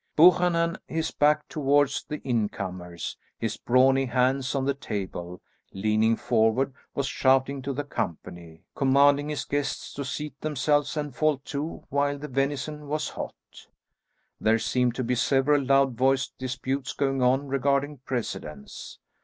Buchanan, his back towards the incomers, his brawny hands on the table, leaning forward, was shouting to the company, commanding his guests to seat themselves and fall to while the venison was hot. There seemed to be several loud voiced disputes going on regarding precedence.